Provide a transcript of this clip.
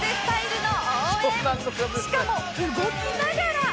しかも動きながら！